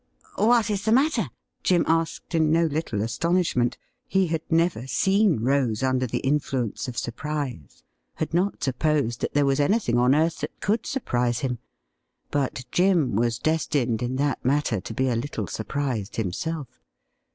' What is the matter .?' Jim asked, in no little astonish ment. He had never seen Rose under the influence of surprise — ^had not supposed that there was anything on earth that could surprise him. But Jim was destined in that matter to be a little surprised himself.